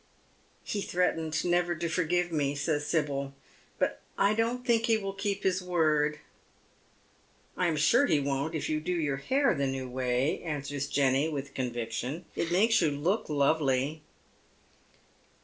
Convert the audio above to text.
" He threatened never to forgive me," says Sibyl, " but I don't think he will keep his word." " I am sure he won't if you do your hair the new way," answers Jenny, with conviction. " It makes you look lovely."